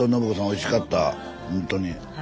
おいしかったほんとに。